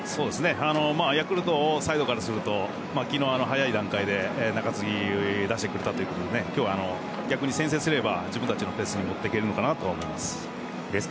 ヤクルトサイドからすると昨日の早い段階で中継ぎを出してくれたということで今日は逆に先制すれば自分たちのペースに持っていけるのかなと思います。